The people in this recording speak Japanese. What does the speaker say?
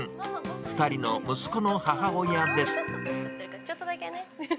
２人の息子の母親です。